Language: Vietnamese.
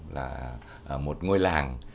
là một ngôi làng